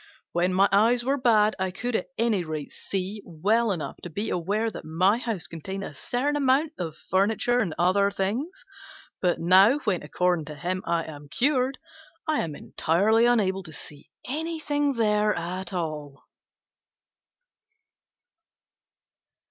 When my eyes were bad I could at any rate see well enough to be aware that my house contained a certain amount of furniture and other things; but now, when according to him I am cured, I am entirely unable to see anything there at all."